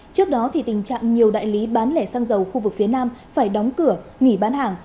trước đó tình trạng nhiều đại lý bán lẻ xăng dầu khu vực phía nam phải đóng cửa nghỉ bán hàng